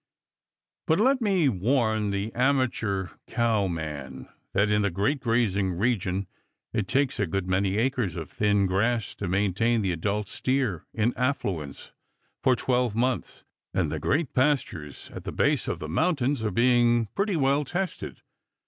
But let me warn the amateur cow man that in the great grazing regions it takes a good many acres of thin grass to maintain the adult steer in affluence for twelve months, and the great pastures at the base of the mountains are being pretty well tested.